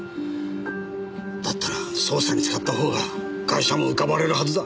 だったら捜査に使ったほうがガイシャも浮かばれるはずだ。